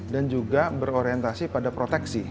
dan juga berorientasi pada proteksi